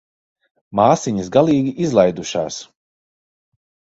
Māsiņas galīgi izlaidušās.